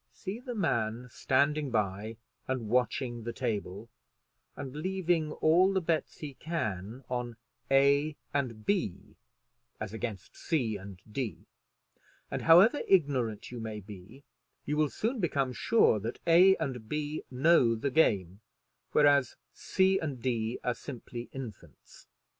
See the man standing by and watching the table, and leaving all the bets he can on A and B as against C and D; and, however ignorant you may be, you will soon become sure that A and B know the game, whereas C and D are simply infants.